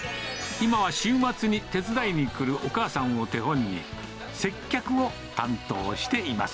今は週末に手伝いに来るお母さんを手本に、接客を担当しています。